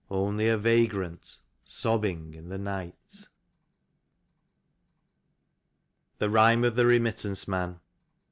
Only a vagrant sobbing in the night. 52 THE KHYME OF THE REMITTANCE MAN.